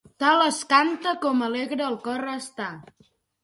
Tal es canta com alegre el cor està.